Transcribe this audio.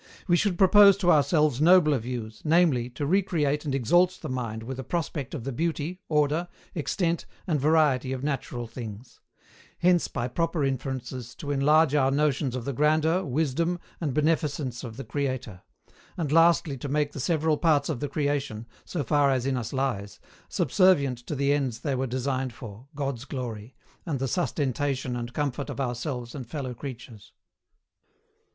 We should propose to ourselves nobler views, namely, to recreate and exalt the mind with a prospect of the beauty, order. extent, and variety of natural things: hence, by proper inferences, to enlarge our notions of the grandeur, wisdom, and beneficence of the Creator; and lastly, to make the several parts of the creation, so far as in us lies, subservient to the ends they were designed for, God's glory, and the sustentation and comfort of ourselves and fellow creatures.